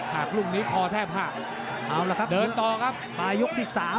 หักลุ่งนี้คอแทบหัก